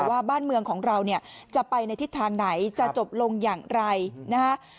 ว่าบ้านเมืองของเราเนี่ยจะไปในทิศทางไหนจะจบลงอย่างไรนะฮะ